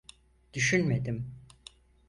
Düşünmedim.